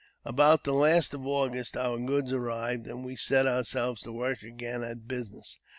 About the last of August our goods arrived, and we set ourselves to work again at business.